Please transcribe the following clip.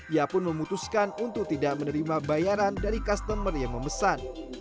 ia pun memutuskan untuk tidak menerima bayaran dari customer yang memesan